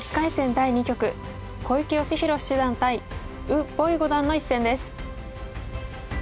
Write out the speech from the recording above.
第２局小池芳弘七段対呉柏毅五段の一戦です。